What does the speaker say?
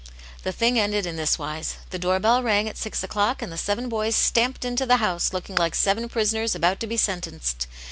The thing ended in this wise. The door bell rang at six o'clock, and the seven boys stamped into the house looking like seven prisoners about to be sen tenced.